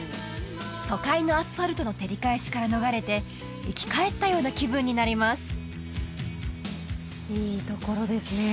都会のアスファルトの照り返しから逃れて生き返ったような気分になりますいいところですね